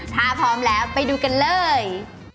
ถ้าพร้อมแล้วไปดูกันเลย